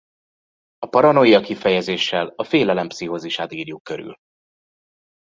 A paranoia kifejezéssel a félelem pszichózisát írjuk körül.